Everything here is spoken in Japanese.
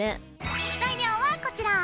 材料はこちら！